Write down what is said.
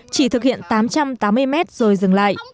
chỉ thực hiện tám trăm tám mươi mét rồi dừng lại